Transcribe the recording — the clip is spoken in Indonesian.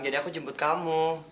jadi aku jemput kamu